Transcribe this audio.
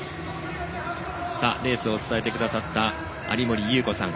レースを伝えてくださった有森裕子さん